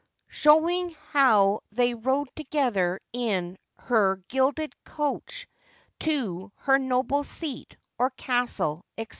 SHOWING HOW THEY RODE TOGETHER IN HER GILDED COACH TO HER NOBLE SEAT, OR CASTLE, ETC.